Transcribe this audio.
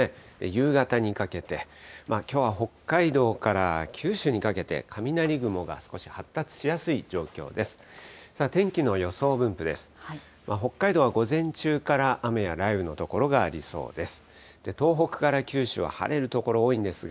夕方にかけて、きょうは北海道から九州にかけて、雷雲が少し発達しやすい状況です。